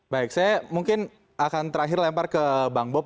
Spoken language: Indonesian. baik saya mungkin akan terakhir lempar ke bang bob